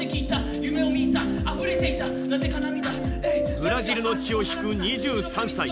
ブラジルの血を引く２３歳。